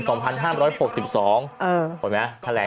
เออถูกเหมือนไหม